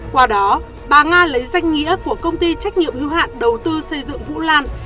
qua đó bà nga lấy danh nghĩa của công ty trách nhiệm hưu hạn đầu tư xây dựng vũ lan